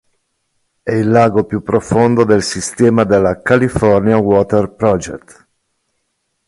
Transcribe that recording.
È il lago più profondo del sistema della "California Water Project".